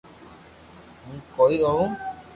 ھون ڪوئي ھووُ